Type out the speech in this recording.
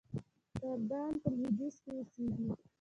کردان په لویدیځ کې اوسیږي.